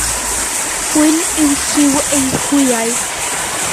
Gwyn yw lliw eu hwyau.